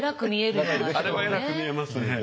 あれは偉く見えますね。